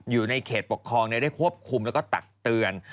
อยู่ในเขตปกครองได้ควบคุมแล้วก็ตักเตือน